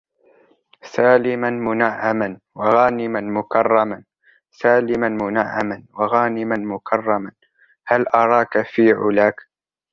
سـالِماً مُـنَـعَّـماً وَغَانِماً مُكَرَّمًا سـالِماً مُـنَـعَّـماً وَغانِماً مُكَرَّمًا هـــــلْ أراكْ فـي عُـــلاكْ